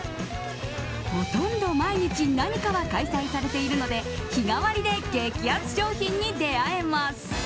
ほとんど毎日何かは開催されているので日替わりで激安商品に出会えます。